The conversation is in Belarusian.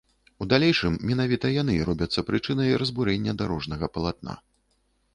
У далейшым менавіта яны робяцца прычынай разбурэння дарожнага палатна.